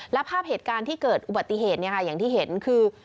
และภาพเหตุการณ์ที่เกิดอุบัติเหตุอย่างที่เห็นคือ